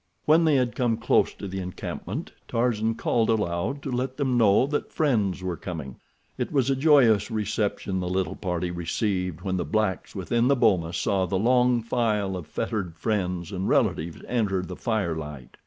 When they had come close to the encampment Tarzan called aloud to let them know that friends were coming. It was a joyous reception the little party received when the blacks within the boma saw the long file of fettered friends and relatives enter the firelight.